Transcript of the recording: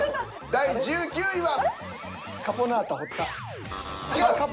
第１６位は。